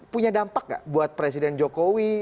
punya dampak nggak buat presiden jokowi